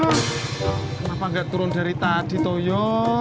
kenapa gak turun dari tadi toh yo